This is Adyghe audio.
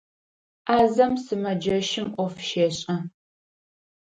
Ӏазэм сымэджэщым ӏоф щешӏэ.